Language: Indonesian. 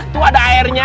itu ada airnya